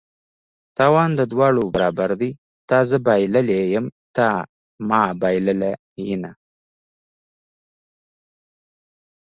تاوان د دواړه برابر دي: تا زه بایللي یم ته ما بایلله ینه